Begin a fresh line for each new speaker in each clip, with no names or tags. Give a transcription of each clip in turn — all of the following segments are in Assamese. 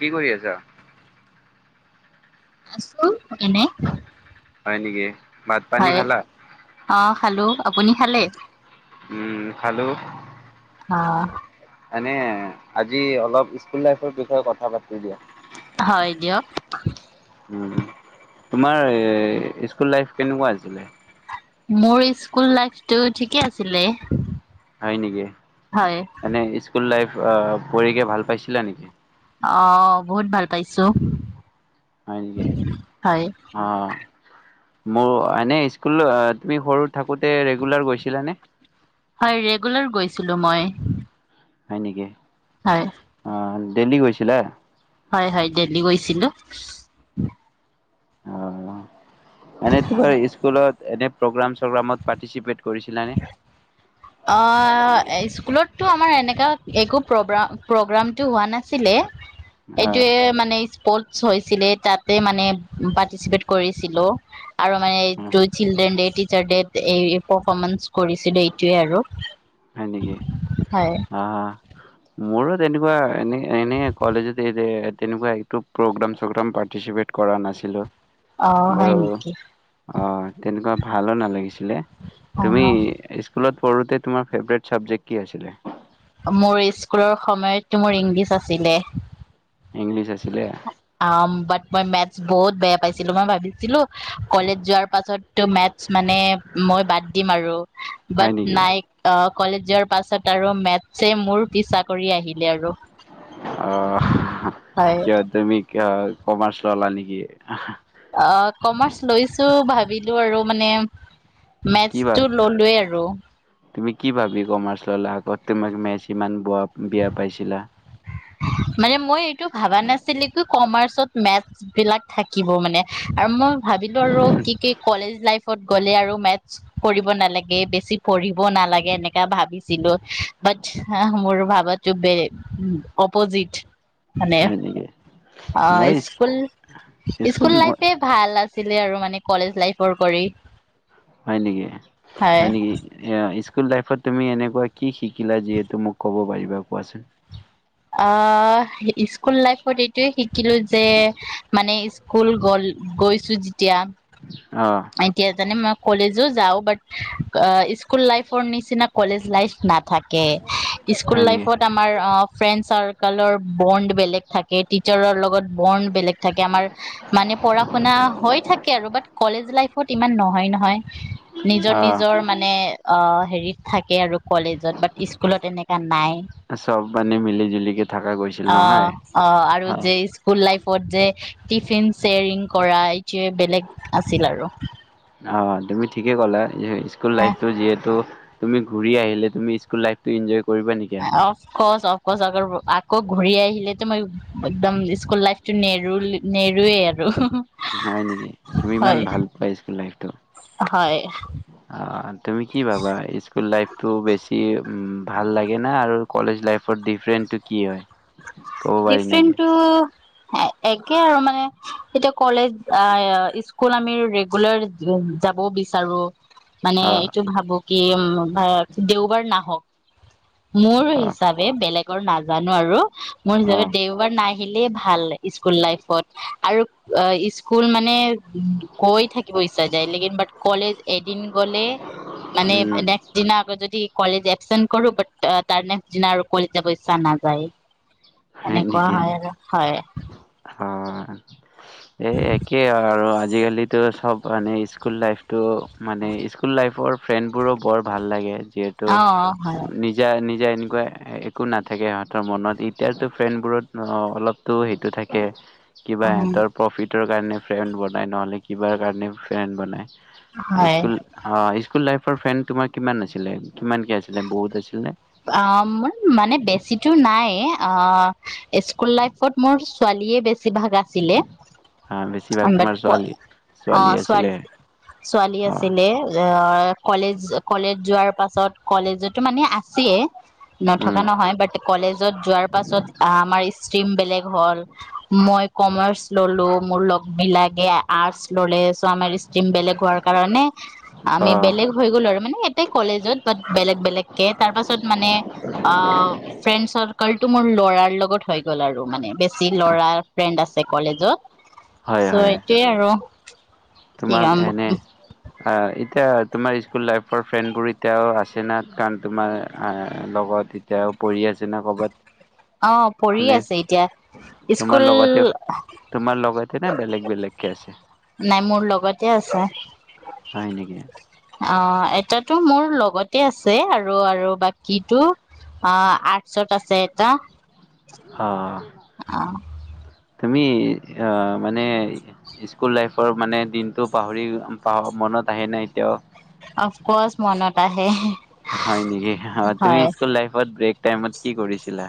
কি কৰি আছা
আছো এনে
হয় নেকি ভাত পানী
হয়
খালা?
আহ খালো আপুনি খালে?
উম খালো।
অ
এনে আজি অলপ স্কুল লাইফৰ বিষয়ে কথা পাতি দিয়া ৷
হয় দিয়ক ৷
উম৷, তোমাৰ এ স্কুল লাইফ কেনেকুৱা আছিলে?
মোৰ স্কুল লাইফটো ঠিকে আছিলে ৷
হয় নেকি মানে স্কুল লাইফ অ পৰি কি ভাল পাইছিলা নেকি?
অ বহুত ভাল পাইছো ৷
হয় নেকি অ, মোৰ এনে স্কুল তুমি সৰু থাকোতে ৰেগুলাৰ গৈছিলানে?
হয় ৰেগুলাৰ গৈছিলো মই ৷
হয় নেকি?
হয়
অ দেল্লী গৈছিলা?
হয় হয় দেল্লী গৈছিলো ৷
অ মানে তোমাৰ স্কুলত এনে প্ৰগ্ৰাম চগ্ৰামত পাৰটিচিপেট কৰিছিলানে?
অ স্কুলতো আমাৰ এনে লত একো প্ৰব্ৰাম প্ৰগ্ৰামটো হোৱা নাছিলে ৷
অঁ
এইটোয়ে মানে স্পল্ট চৈছিলে তাতে মানে পাৰ্টিচিপেট কৰিছিলো৷ আৰু আমাৰ এই
অঁ।
চিল্ড্ৰেন ডে টিছাৰ ডেত এই পৰফৰ্মেন্ঞ্চ কৰিছিলে এইটোৱে আৰু৷
হয় নেকি?
হয়
অ, মোৰো তেনেকুৱা এনে - এনে কলেজত এই তেনেকুৱা এতো প্ৰগ্ৰাম চগ্ৰাম পাৰ্টিচিপেট কৰা নাছিলো৷
অ হয়
বাৰু
নিকি?
অ তেনেকুৱা ভালো নালাগিছি লে
অ
তুমি স্কুলত সৰুতে তোমাৰ ফেভৰেট চাবজেক্ট কি আছিলে?
মোৰ স্কুলৰ সময়তো মোৰ ইংলিছ আছিলে৷
ইংলিছ আছিলে
অ বাত মই মেথছ বহুত বেয়া পাইছিলো মই ভাবিছিলো কলেজ যোৱাৰ পাছতো মেথছ মানে মই বাদ দিম আৰু
হয়
বাট
নেকি
নাইক আ কলেজ যোৱাৰ পাছত আৰু মেথছে মোৰ পিছা কৰি আহিলে আৰু৷
অ
হয়
কিয় তুমি কিয় কমাৰ্চ ললা নেকি?
অ কমাৰ্চ লৈছো ভাবিলো আৰু মানে
কি
মেথচছ
বা
টো ললোৱে আৰু৷ উ [unintelligible]
তুমি কি বাবি কমাৰ্চ ললা আগত তোমাক মেথছ ইমান বয়া বেয়া পাইছিলা৷
মানে মই টো ভাবা নাছিলি কমাৰ্চত মেথছ বিলাক থাকিব মানে আৰু মই ভাবিলো আৰু কি-কি কলেজ লাইফত গ'লে আৰু মেথছ কৰিব নালাগে বেছি পঢ়িব নালাগে এনেকা ভাবিছিলো বাট মোৰ ভাবো বে অপজিট৷ মানে
হয় নেকি
অ
মই স্কুল
স্কুল-স্কুল লাইফে ভাল আছ আছিলে আৰু মানে কলেজ লাইফৰ কৰি
হয় নেকি হয় নেকি এইয়া ইচ কুল লাইফত তুমি এনেকুৱা কি শিকিলা যিহেতু মোক ক'ব পাৰিবা কোৱাচোন৷
অ স্কুল লাইফত এইটোয়ে শিক কিলো যে মানে স্কুল গল গৈ চু যেতিয়া
অ
এতিয়া জানে মোক কলেজো যাওঁ বাট অ স্কুল লাইফ ৰ নিচিনা কলেজ লাইফ না থাকে স্কুল
হয় নেকি
লাইফত আমাৰ ফ্ৰেণ্ড চাৰ্কলৰ বণ্ড বেলেগ থাকে টিচাৰৰ লগত বৰ্ণ বেলেগ থাকে আমাৰ মানে পঢ়া শুনা হৈ থাকে আৰু বাট কলেজ ফূ ত সিমান নহয়-নহয় নিজৰ
অ
নিজৰ মান অ হেৰিত থাকে আৰু ৷ কলেজত বাট স্কুলত এনেকা নাই
চব মানে মিলি জুলিকে থকা গৈছিল
অ
নহয়
- অ আৰু
হয়
যে স্কুল লাইফ ফত জে টিফিন চেয়াৰিং কৰাই বেলেগ আ আছিল আৰু৷
অ তুমি ঠিকে ক'লা স্কুল লাইফটো যিহেতু তুমি ঘূৰি আহিলে তুমি স্কুল লাইফটো ইনজয়
অফকৰ্চ - অফকৰ্চ [unintelligible] আকৌ ঘূৰি আহিলেতো মই একদম স্কুল লাইফটো নেৰু- নেৰুৱে আৰু।
হয় নেকি? তুমি ইমান
হয়
ভাল পোৱা স্কুল লাইফটো।
হয়
অ' তুমি কি ভাবা, স্কুল লাইফটো বেছি কে উম ভাল লাগে না আৰু কলেজ লাইফৰ, ডিফাৰেনটো কি হয়? ক'ব পাৰি নেকি
ডিফৰেণ্টটো একে আৰু মানে, এতিয়া কলেজ- অ'- স্কুল আমি ৰেগুলাৰ যাব বিচাৰোঁ, মানে
অ
এইটো ভাবো। কি উম, দেওবাৰ নাহক। মোৰ
অ
হিচাবে বেলেগ গৰ নাজানো আৰু মোৰ
অ
হিচাপে দেওবাৰ নাই। আহিলে ভাল, স্কুল লাইফত। আৰু স্কুল মানে গৈ থাকিব ইচ্ছা যায়। লেকিন বাত কলেজ এদিন গ'লে, মানে
উম
নেক্সট দিনা আকৌ যদি কলেজে এপচেন্ত কৰোঁ, বাত তাৰ নেক্সট দিনা আৰু কলেজ যাব ইচ্ছা নাযায়।
হয়
এনেকুৱা
নেকি?
হয় আৰু হয়
অ'। এ একেই আৰু আজিকালিতো চব মানে স্কুল লাইফটো মানে- স্কুল-লাইফৰ ফ্ৰেণ্ডবোৰো বৰ ভাল লাগে। যিহেতু
অ হয়
নিজা- নি তিয়া এনেকুৱা একো নাথাকে সিহঁতৰ মনত এতিয়াতো ফ্ৰেণ্ডবোৰত অ'- অলপতো সেইটো থাকে। কিবা
উ
এহেতৰ প্ৰফিট তৰ কাৰণে ফ্ৰেণ্ড বনায়, নহ'লে কিবাৰ কাৰণে ফ্ৰেণ্ড বনায়।
হয়
হাইস্কুল অ' স্কুল-লাইফৰ ফেণ্ড তোমাৰ কিমান আাছিলে? কিমানকে আছিলে? বহুত আছিলনে?
অ মোৰ মানে বেছিতো নাই অ'- এ স্কুল লাইফত মোৰ ছোৱালীয়ে বেছি বেছি ভাগ আছিলে।
বেছিভাগ
অ'
তোমাৰ
বাত-
ছোৱালী ছোৱালী
অ'
আছিলে
ছোৱালী- ছোৱালী
অ'
আছিলে। অ' কলেজ- কলেজ যোৱাৰ পাছত, কলেজতো মানে আ ছিয়ে নথকা
উম
নহয়। বাত কলেজত যোৱাৰ পাছত আমাৰ ইছ ষ্ট্ৰীম বেলেগ হ'ল। মই কমাৰ্চ ল'লোঁ। মোৰ লগবিলাগে আৰ্টচ ল'লে আমাৰ ষ্ট্ৰীম বেলেগ হোৱাৰ কাৰণে, আমি
অ'
বেলেগ হৈ গ'লো আৰু। মানে একেই কলেজত। বাত বেলেগ-বেলেগকে তাৰপিছত মানে অ', ফ্ৰেণ্ড চৰকালটো, মোৰ ল'ৰাৰ লগত হৈ গ'ল আৰু মানে বেছ, যি ল'ৰাৰ ফ্ৰেণ্ড আছে। কলেজত,
হয়
চ',
হয়
এইটোয়ে আৰু,
তোমাক
কি
এনে অঁ এতিয়া তোমাৰ স্কুল লাইফৰ ফ্ৰেণ্ডবোৰ এতিয়াও আছে ন কাৰণ তোমাৰ লগত এতিয়াও পঢ়ি আছে না ক'ৰবাত
অঁ পঢ়ি
মানে
আছে এতিয়া স্কুল
তেনে বেলেগ বেলেগকে আছে
নাই মোৰ লগতে আছে
হয় নেকি?
অঁ এইটো মোৰ লগতে আছে আৰু আৰু বাকীতো অঁ আৰ্টচত আছে এটা
অঁ তুমি মানে স্কুল লাইফৰ মানে দিনটো পাহৰি মনত আহে নাই এতিয়াও
অফকৰ্চ মনত আহে
হয় নেকি অ তুমি
হয়।
স্কুল লাইফত ব্ৰেক টাইমত কি কৰিছিলা।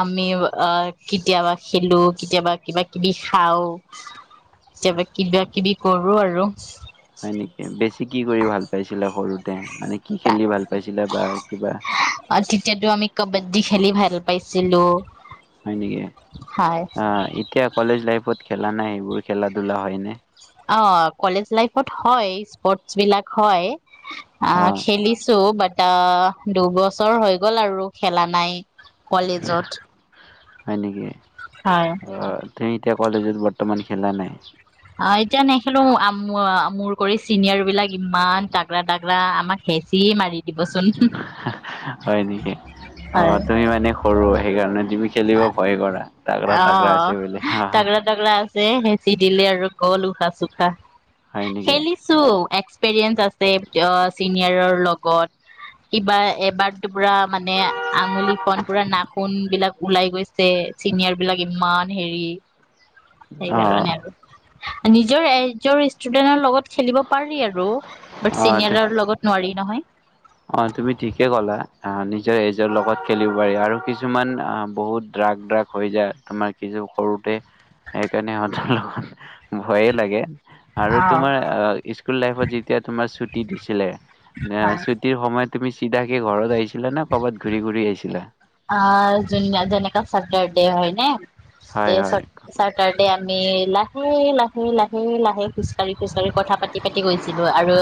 আমি অঁ কেতিয়াবা খেলো কেতিয়াবা কিবা কিবি খাওঁ এবা কিবা কিবি কৰো কৰো আৰু
হয় নেকি বেছি কি কৰি ভাল পাইছিলা সৰুতে। তে মানে কি খেলি ভাল পাইছিলা বা কিবা
চিলো
হয় নেকি অঁ এতিয়া কলেজ লাইফত খেল খেলা নাই সেইবোৰ খেলা ধূলা হয় নে?
অঁ কলেজ লাইফত হয় স্পৰ্টচ বিলাক হয়।
অ
অঁ খেলিছো বাট এটা দুবছৰ হৈ গ'ল আৰু খেলা নাই কলেজত
হয় নেকি?
হয়।
অঁ তুমি এতিয়া কলেজত বৰ্তমান খেলা নাই
অঁ এতিয়া নেখিলো মোৰ কৰি চিনিয়ৰ বিলাক ইমান তাগৰা তাগৰা আমাক শেষ
হয় নেকি অঁ তুমি মানে সৰু সেইকাৰণে তুমি। খেলিব ভয় কৰা তাগৰা তাগৰা
অঁ
আছে বুলি হা হা
তাগৰা তাগৰা আছে সেই। চি দিলে আৰু গ'ল উশাহ চুশাহ।
হয় নেকি
খেলিছো এক। পেৰিএস্ত্ৰ চিনিয়ৰৰ লগত। কিবা এ এবাৰ পুৰা মানে আঙুলি খন পুৰা নাখুন বিলাক উলাই গৈছে। চিনিয়ৰ বিলাক ইমান হেৰি, সেই
অ
কাৰণে আৰু নিজৰ এজন ষ্টুডেন্টৰ লগত খেলিব পাৰি আৰু বাট
অ
চিনিয়ৰৰ লগত নোৱাৰি নহয়।
অ তুমি ঠিকে কলা আহ নিজৰ এজৰ লগত খেলিব পাৰি আৰু কিছুমান আহ বহুত ড্ৰাগ ড্ৰাগ হৈ যায় তোমাৰ কিছু সৰুতে সেইকাৰণে সহঁতৰ লগত। ভয়ে লাগে আৰু
অ
তোমাৰ স্কুল লাইফত যেতিয়া তোমাৰ চুতি দি দিছিলে।
অ [unintelligible]
মই তুমি চিধাকে ঘৰত আহিছিলা কৰবাত ঘূৰি ঘুৰি আহিছিলা?
দে হয় নে।
হয়
দে
হয়
চাটাৰডে আন আমি লাহে লাহে লাহে লাহে খোজকাাঢ়ি খোজকাাঢ়ি কথা পাতি পাতি গৈছিলো আৰু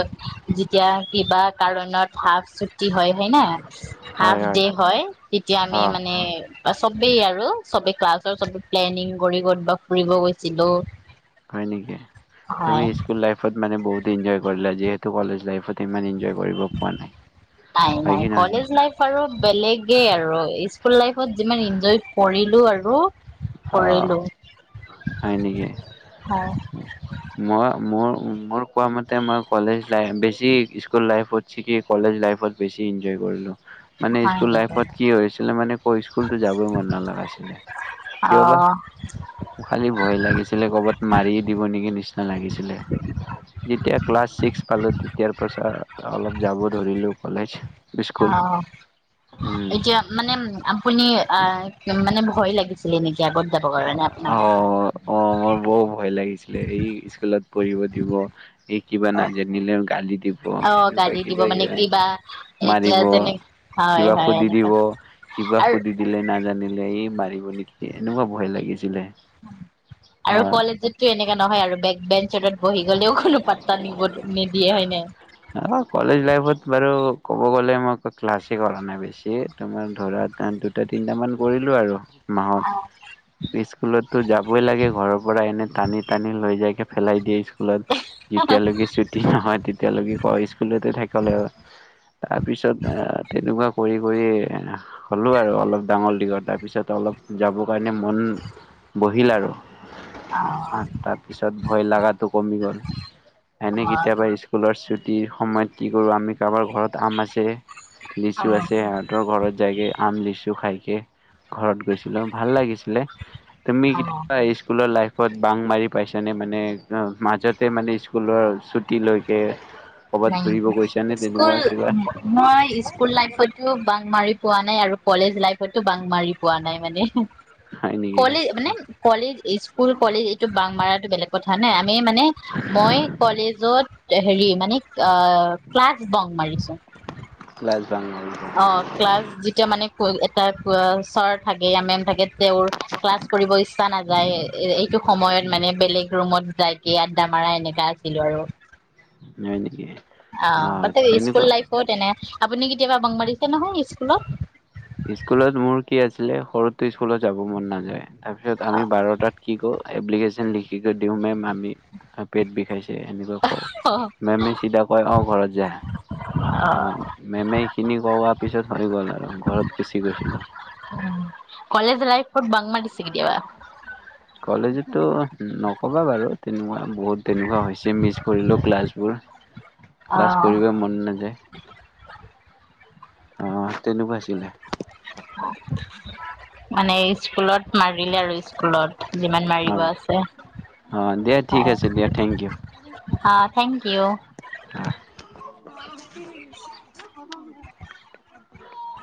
যেতিয়া কিবা কাৰণত হাফ চুতি কি হয় হয় না হাফ ডে হয়। তেতিয়া আমি
অ
মানে, বা চবেই আৰু চবেই ক্লাছৰ চবে প্লেনিং কৰি কৰবাত ফুৰিব গৈছিলো।
হয় নেকি তুমি
হয়
স্কুল লাইফত মানে বহুত ইন্জয় কৰিলা যিহেতু কলেজ লাইফত ইমান ইন্জয়
নাই নাই
নহয়
কলেজ লাইফ আৰু বেলেগে আৰু স্কুল লাইফত যিমান ইঞ্জয় কৰিলো আৰু ৰ
অ হয় নেকি
হয়
মই মোৰ, মোৰ কোৱা মতে মই কলেজ লাইফ বেছি স্কুল লাইফত কি কলেজ লাইফত বেছি ইঞ্জয় কৰিলোঁ। মানে
হয়
স্কুল
নেকি
লাইফত কি হৈছিলে মানে ক স্কুলতো যাবই মন নাগৈছিলে।
অ
কিয় বা মোক খালী ভয় লাগিছিলে। ক'ৰবাত মাৰি দিব নেকি নিচিনা লাগিছিলে। যেতিয়া ক্লাছ ছিক্স পালো তেতিয়াৰ পাছত অলপ যাব ধৰিলোঁ কলেজ।
অ
স্কুল উম
এতিয়া মানে আপুনি আহ মানে ভয় লাগিছিলে নেকি? এতিয়া কটন যাব ঘৰত নে আপোনি?
অ অ মোৰ বৰ ভয় লাগিছিলে এই স্কুলত পঢ়িব দিব এই কিবা নাজানিলেও গালি? দিব
অ
এনেকুৱা
গালি দিব
কিবা
মানে কিবা এতিয়া
মাৰিব
যেনে হয়
কিবা
হয়
সুধি
এনেকা
দিব কিবা
আৰু
সুধি দিলে নাজানিলে? সেই মাৰিব নেকি এনেকুৱা? ভয় লাগিছিলে?
আৰু
হয়
কলেজতটো এনেকা নহয় আৰু। বেক বেঞ্চত বহি গ'লেও কো। পাত্তা নিব নিদিয়ে হয় ন।
অঁ কলেজ লাইফত বাৰু ক'ব গলে মই ক্লাছে কৰা নাই বেছি তোমাৰ ধৰা দুটা তিনটা মান কৰিলো আৰু। মাহত স্কুলতো যাবই লাগে ঘৰৰ পৰা এনে? টানি টানি লৈ যাইকে পেলাই দিয়ে? স্কুলত
অ
যেতিয়ালৈকে ছুটি নহয় তেতিয়ালৈকে? তেনেকে কৰে আৰু তাৰ পিছত? এনেকুৱা কৰি কৰি হ'লোঁ আৰু অলপ ডাঙৰ দীঘত তাৰপিছত অলপ যাবৰ কাৰণে মন বহিল আৰু। তাৰপিছত? ভয় লগাত। কমি এনে কেতিয়াবা স্কুলৰ। খতিৰ সময়ত কি কৰোঁ আমি কাৰোবাৰ ঘৰত আম আছে?
অ
লিছু আছে সিহঁতৰ ঘৰত যায়গে। আম লিচু খাইকে ঘৰত গৈছিলো ভাল লাগিছিলে? তুমি
অ অ
কতিয়া স্কুললৰ লাইফ। ত বাং মাৰি পাইছেনে মানে মাজতে মানে স্কুলৰ ছুটী লৈকে?
ন স্কুল মই স্কুল লাইফতো বাং মাৰি পোৱা নাই আৰু। কলেজ লাইফতটো বাং মাৰি পোৱা নাই মানে?
হয় নেকি?
কলেজ মানে কলেজ স্কুল কলেজ এইটো বাংমাৰা। বেলেগ কথা নে। মানে মই কলেজত হেৰি মানে? অঁ ক্লাছ বং মাৰিছো?
ক্লাছ বাং হ'ল
অঁ ক্লাছ যেতিয়া মানে? তাৰ চৰ থাকে অঁ মেম থাকে? তেওঁৰ ক্লাছ কৰিব ইচ্ছা নাযায় এইটো সময়ত মানে বেলেগ ৰুমত। যাইকি আড্ডা মাৰা এনেককা আছিলো আৰু?
হয় নেকি?
অঁ
অ'
তাতে স্কুল
তেনেকুৱা
লাইফত এনে আপুনি কেতিয়াবা বং মাৰিছে নহয় স্কুলত
স্কুলত মোৰ কি আছিলে সৰুতে স্কুলত যাব মন নাযায় তাৰপিছত আমি বাৰটাত কি কৰো এপ্লিকেচন লিখিকে দিওঁ মেম আমি পেট বিষাইছে এনে ক
অ
মেমে চিধা কয় অ ঘৰত যা অ মেমে কিনি কৰোৱা পিছত হৈ গ'ল আৰু ঘৰত বেছিকৈ আছিল
অ কলেজ লাইফ ফ বাংলাদ দি
[unintelligible] কলেজতো নক'বা বাৰু তেনেকুৱা বহুত তেনেকোৱা হৈছে মিছ কৰিলো ক্লাছবোৰ
অ
ক্লাছ কৰিব মন নাযায় অ তেনেকোৱা আছিলে
মানে স্কুলত মাৰিলে আৰু স্কুলত যিমান মাৰিব
অ'।
আছে
অ দিয়া ঠিক আছে দিয়া থেংক ইউ
হা থেংক ইউ
অ [inaudible]